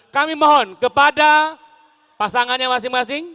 kami mohon kepada pasangannya masing masing